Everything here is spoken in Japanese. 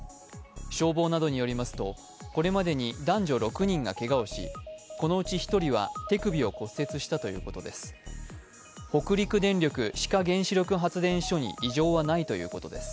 消防などによりますとこれまでに男女６人がけがをし、このうち１人は手首を骨折したということです。